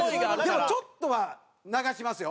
でもちょっとは流しますよ。